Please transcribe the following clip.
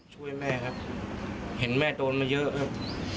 ช่วยแม่ครับเห็นแม่โดนมาเยอะครับ